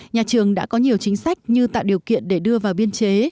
nhà trường đã có nhiều chính sách như tạo điều kiện để đưa vào biên chế